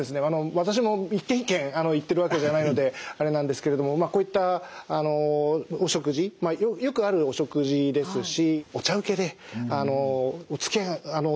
私も一軒一軒行ってるわけじゃないのであれなんですけれどもこういったお食事よくあるお食事ですしお茶うけでお漬物出してきてですね